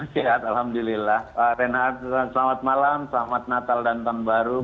sehat alhamdulillah pak renat selamat malam selamat natal dan tahun baru